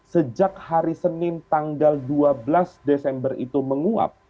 sejak hari senin tanggal dua belas desember itu menguap